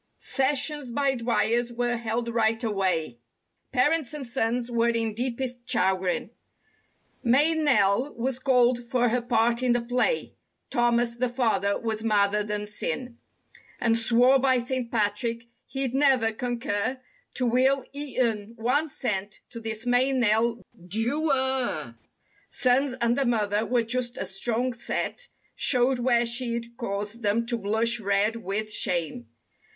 ^^^^^* Sessions by Dwyers were held right away; Parents and sons were in deepest chagrin; Mae Nelle was called for her part in the play— (Thomas, the father was madder than sin) And swore by Saint Patrick he'd never concur To will e'en one cent to this Mae Nelle DeWer. Sons and the mother were just as strong set Showed where she'd caused them to blush red with shame.